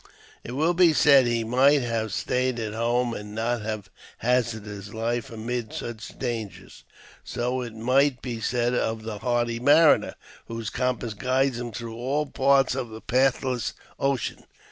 It will be said, " He might have stayed at home, and not have hazarded his life amid such dangers." So it might be JAMES P. BECKWOUBTH. 115 said of the hardy mariner, whose compass guides him through all parts of the pathless ocean.